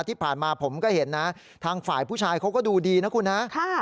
ที่ผ่านมาผมก็เห็นนะทางฝ่ายผู้ชายเขาก็ดูดีนะคุณนะ